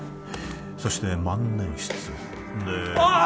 そして万年筆でああ！